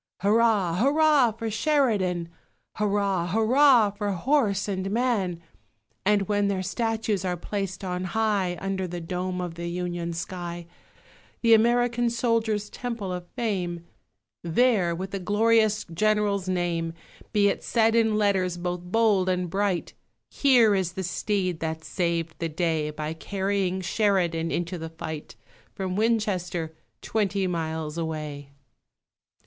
Hurrah, hurrah, for Sheridan! Hurrah, hurrah, for horse and man! And when their statues are placed on high Under the dome of the Union sky The American soldier's Temple of Fame There, with the glorious General's name, Be it said in letters both bold and bright, "Here is the steed that saved the day By carrying Sheridan into the fight, From Winchester twenty miles away!"